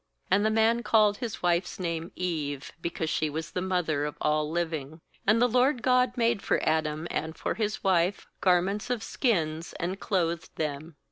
7 20And the man called his wife's name aEve; because she was the mother of all living. ^And the LORD God made for Adam and for his wife garments of skins, and clothed them.